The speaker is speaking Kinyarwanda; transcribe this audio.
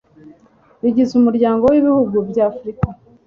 bigize umuryango w ibihugu bya afurika